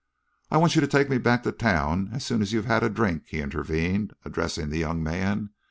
"I want you to take me back to town as soon as you've had a drink," he intervened, addressing the young man.